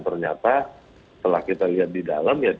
ternyata setelah kita lihat di dalam ya